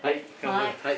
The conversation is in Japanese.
はい。